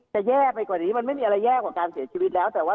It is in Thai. แย่ไปกว่านี้มันไม่มีอะไรแย่กว่าการเสียชีวิตแล้วแต่ว่า